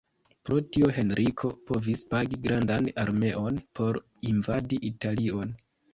Pro tio Henriko povis pagi grandan armeon por invadi Italion.